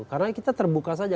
karena kita terbuka saja